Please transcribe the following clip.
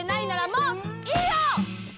もういいよ！